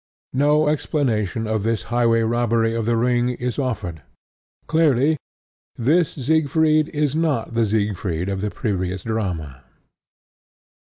No explanation of this highway robbery of the ring is offered. Clearly, this Siegfried is not the Siegfried of the previous drama.